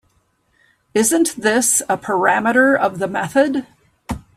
Isn’t this a parameter of the method?